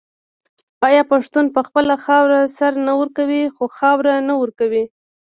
آیا پښتون په خپله خاوره سر نه ورکوي خو خاوره نه ورکوي؟